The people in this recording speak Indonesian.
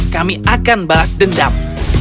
kami akan balas dendam